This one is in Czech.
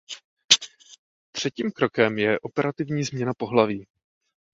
Třetím krokem je operativní změna pohlaví.